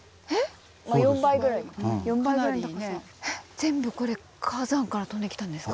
全部これ火山から飛んできたんですか？